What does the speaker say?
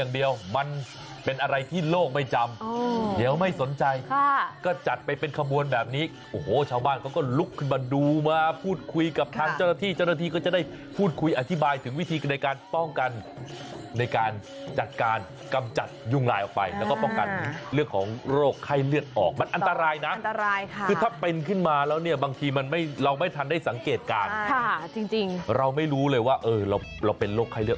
เดี๋ยวไม่สนใจก็จัดไปเป็นขบวนแบบนี้โอ้โหชาวบ้านก็ก็ลุกขึ้นมาดูมาพูดคุยกับทางเจ้าหน้าที่เจ้าหน้าที่ก็จะได้พูดคุยอธิบายถึงวิธีในการป้องกันในการจัดการกำจัดยุ่งลายออกไปแล้วก็ป้องกันเรื่องของโรคไข้เลือดออกมันอันตรายนะอันตรายค่ะคือถ้าเป็นขึ้นมาแล้วเนี่ยบางที